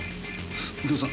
右京さん